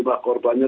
dan juga korbannya